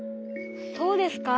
そうですか？